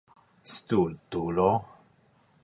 stultulo